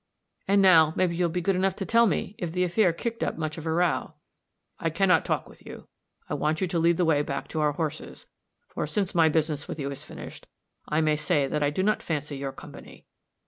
"And now, maybe you'll be good enough to tell me if the affair kicked up much of a row." "I can not talk with you. I want you to lead the way back to our horses, for, since my business with you is finished, I may say that I do not fancy your company.